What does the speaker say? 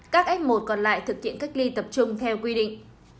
các f một còn lại thực hiện cách ly tập trung theo quy định